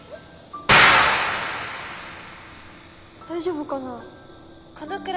大丈夫かな？